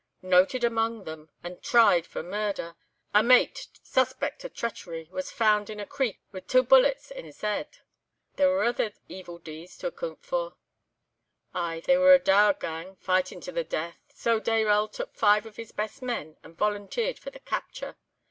"Noted men among them—ane tried for murder! A mate, suspect o' treachery, was found in a creek wi' twa bullets in's heid—there were ither evil deeds to accoont for. "Ay, they were a dour gang—fightin' to the death. So Dayrell took five of his best men and volunteered for the capture.